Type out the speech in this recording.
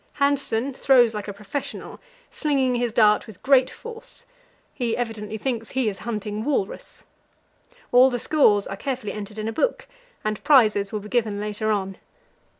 Hanssen throws like a professional, slinging his dart with great force. He evidently thinks he is hunting walrus. All the scores are carefully entered in a book, and prizes will be given later on.